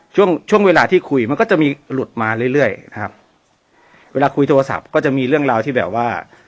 ช่วงช่วงเวลาที่คุยมันก็จะมีหลุดมาเรื่อยเรื่อยนะครับเวลาคุยโทรศัพท์ก็จะมีเรื่องราวที่แบบว่า